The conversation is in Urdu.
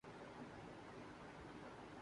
فلمی صنعت ملک کی معیشت میں حصہ ڈالتی ہے۔